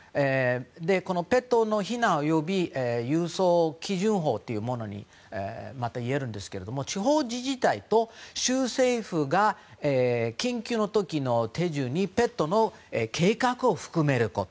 このペットの避難及び輸送基準法というものと言えるんですけども地方自治体と州政府が緊急の時の手順にペットの計画を含めること。